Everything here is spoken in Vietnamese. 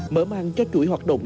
mở mang cho chuỗi hoạt động